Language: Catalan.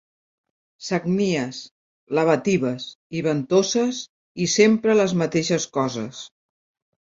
Sagnies, lavatives i ventoses i sempre les mateixes coses.